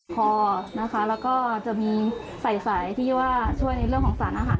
พอนะคะแล้วก็จะมีใส่สายที่ว่าช่วยในเรื่องของสารอาหาร